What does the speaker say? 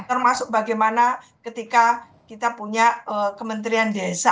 termasuk bagaimana ketika kita punya kementerian desa